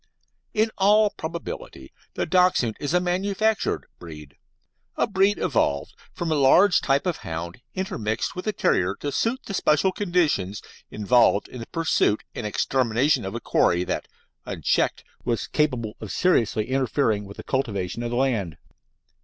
In all probability the Dachshund is a manufactured breed a breed evolved from a large type of hound intermixed with a terrier to suit the special conditions involved in the pursuit and extermination of a quarry that, unchecked, was capable of seriously interfering with the cultivation of the land.